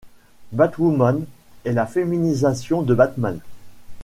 Batwoman est la féminisation de Batman.